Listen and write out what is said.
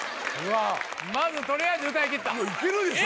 まずとりあえず歌い切ったいけるでしょ！